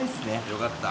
よかった。